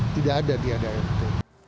tidak ada di adart